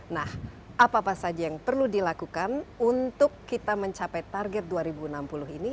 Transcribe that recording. nah apa apa saja yang perlu dilakukan untuk kita mencapai target dua ribu enam puluh ini